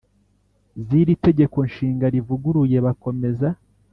Z’iri Tegeko Nshinga rivuguruye bakomeza